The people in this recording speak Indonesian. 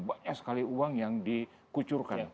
banyak sekali uang yang dikucurkan